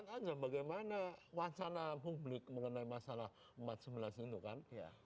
lihat saja bagaimana wacana publik mengenai masalah empat sebelas itu kan